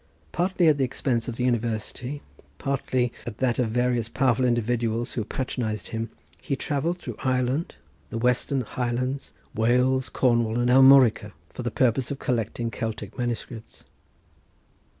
Partly at the expense of the university, partly at that of various powerful individuals who patronised him, he travelled through Ireland, the Western Highlands, Wales, Cornwall and Armorica, for the purpose of collecting Celtic manuscripts.